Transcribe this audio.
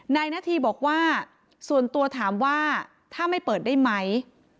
นาธีบอกว่าส่วนตัวถามว่าถ้าไม่เปิดได้ไหม